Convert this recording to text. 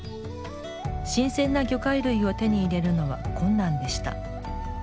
新鮮な魚介類を手に入れるのは困難でした。